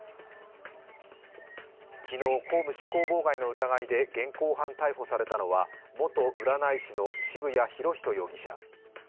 昨日、公務執行妨害の疑いで現行犯逮捕されたのは元占い師の渋谷博仁容疑者。